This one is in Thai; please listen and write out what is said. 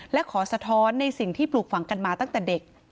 และขอสะท้อนในสิ่งที่ปลูกฝังกันมาตั้งแต่เด็ก